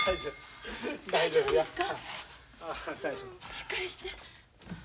しっかりして。